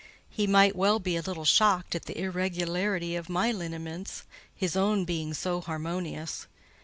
He might well be a little shocked at the irregularity of my lineaments, his own being so harmonious.